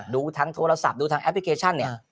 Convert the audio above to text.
ดูทั้งโทรศัพท์ดูทั้งแอปพลิเคชัน